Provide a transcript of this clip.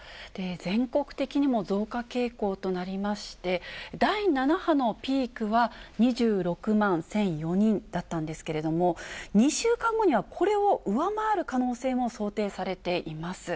全国的にも増加傾向となりまして、第７波のピークは２６万１００４人だったんですけれども、２週間後にはこれを上回る可能性も想定されています。